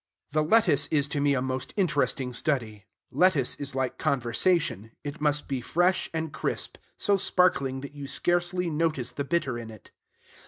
The lettuce is to me a most interesting study. Lettuce is like conversation: it must be fresh and crisp, so sparkling that you scarcely notice the bitter in it.